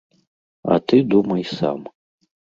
А ты думай сам.